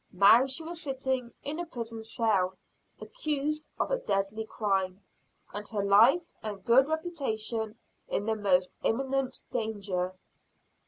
Now she was sitting in a prison cell, accused of a deadly crime, and her life and good reputation in the most imminent danger.